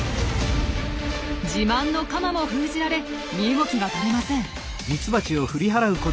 自慢の鎌も封じられ身動きが取れません。